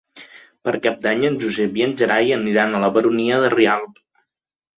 Per Cap d'Any en Josep i en Gerai aniran a la Baronia de Rialb.